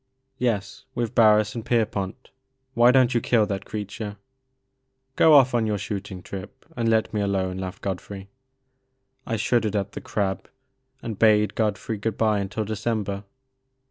"Yes, with Barris and Pierpont. Why don't you kill that creature ?"Go off on your shooting trip, and let me alone,'* laughed Godfrey. I shuddered at the "crab," and bade Godfrey good bye until December.